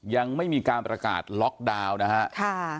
ยังไม่มีการประกาศล็อกดาวน์นะครับ